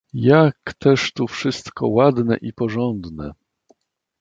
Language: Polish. "jak też tu wszystko ładne i porządne!"